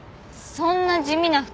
そんな地味な服